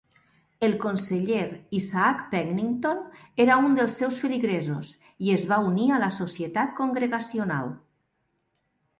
El conseller Isaac Pennington era un dels seus feligresos i es va unir a la societat congregacional.